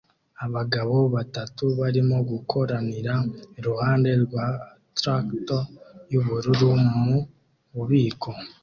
Abagabo batatu barimo gukoranira iruhande rwa traktor y'ubururu mu bubiko